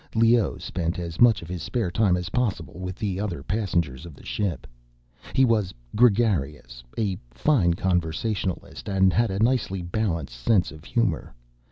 Leoh spent as much of his spare time as possible with the other passengers of the ship. He was gregarious, a fine conversationalist, and had a nicely balanced sense of humor.